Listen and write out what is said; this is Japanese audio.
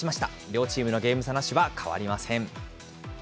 両チームのゲーム差なしは変わりません。